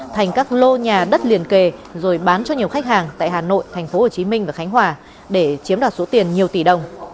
thành các lô nhà đất liền kề rồi bán cho nhiều khách hàng tại hà nội tp hcm và khánh hòa để chiếm đoạt số tiền nhiều tỷ đồng